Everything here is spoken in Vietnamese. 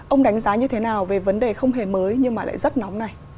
ông đánh giá như thế nào về vấn đề không hề mới nhưng mà lại rất nóng này